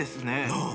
なあ。